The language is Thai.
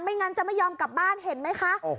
งั้นจะไม่ยอมกลับบ้านเห็นไหมคะ